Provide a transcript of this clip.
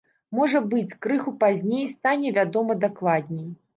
Можа быць, крыху пазней стане вядома дакладней.